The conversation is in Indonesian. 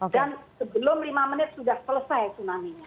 dan sebelum lima menit sudah selesai tsunami